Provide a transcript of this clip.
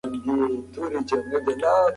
د تجربو د تبادلې له لاري ارزښتونه زېږي.